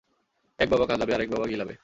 এক বাবা কাঁদাবে, আরেক বাবা গিলাবে!